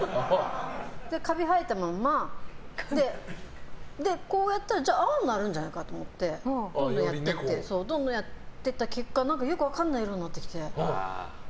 カビ生えたままで、こうやったら青になるんじゃないかと思ってどんどんやっていった結果よく分かんない色になってきて。